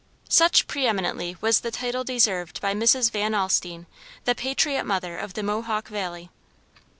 Such preeminently was the title deserved by Mrs. Van Alstine, the "Patriot mother of the Mohawk Valley."